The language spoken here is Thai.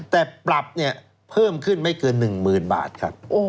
แต่ปรับเนี่ยเพิ่มขึ้นไม่เกิน๑๐๐๐บาทครับ